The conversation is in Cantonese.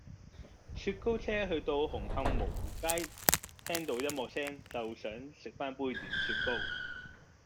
雪糕車去到紅磡蕪湖街聽到音樂聲就想食返杯軟雪糕